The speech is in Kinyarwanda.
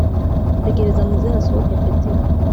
Tegereza muzehe asohoke petti